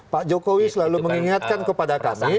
pak jokowi selalu mengingatkan kepada kami